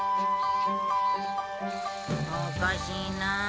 おかしいなあ。